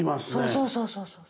そうそうそうそう。